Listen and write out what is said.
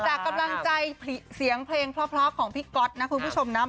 จากกำลังใจเสียงเพลงเพราะของพี่ก๊อตนะคุณผู้ชมนะ